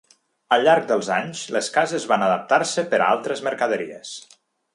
Al llarg dels anys les cases van adaptar-se per a altres mercaderies.